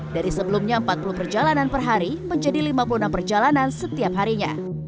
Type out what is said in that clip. dari sebelumnya empat puluh perjalanan per hari menjadi lima puluh enam perjalanan setiap harinya